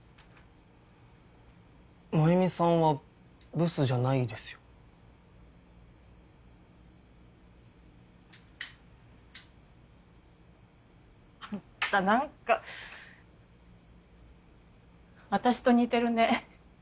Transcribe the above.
麻由美さんはブスじゃないですよ。あんたなんか私と似てるね。